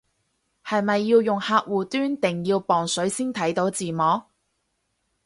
係咪要用客戶端定要磅水先睇到字幕